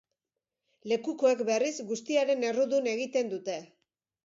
Lekukoek, berriz, guztiaren errudun egiten dute.